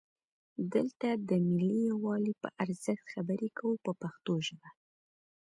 دلته د ملي یووالي په ارزښت خبرې کوو په پښتو ژبه.